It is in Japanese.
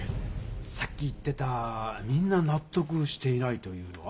さっき言ってた「みんななっとくしていない」というのは？